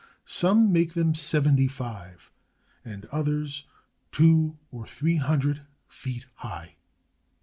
Some make them seventy five, and others two or three hun dred feet high.